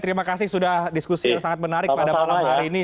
terima kasih sudah diskusi yang sangat menarik pada malam hari ini